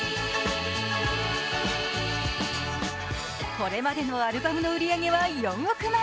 これまでのアルバムの売り上げは４億枚。